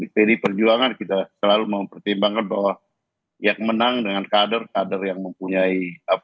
pdi perjuangan kita selalu mempertimbangkan bahwa yang menang dengan kader kader yang mempunyai